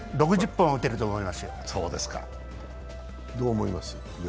６０本は打てると思いますよ。